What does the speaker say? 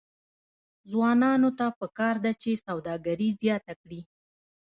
ځوانانو ته پکار ده چې، سوداګري زیاته کړي.